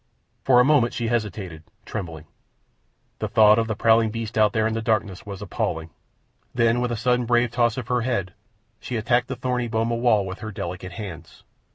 For a moment she hesitated, trembling. The thought of the prowling beasts out there in the darkness was appalling. Then, with a sudden brave toss of her head, she attacked the thorny boma wall with her delicate hands.